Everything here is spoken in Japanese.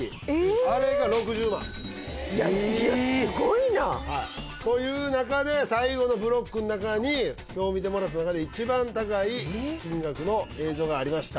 あれが６０万えっいやすごいなという中で最後のブロックの中に今日見てもらった中で一番高い金額の映像がありました